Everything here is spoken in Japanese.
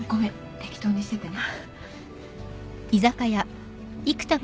適当にしててね。